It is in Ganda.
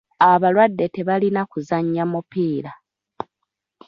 Abalwadde tebalina kuzannya mupiira.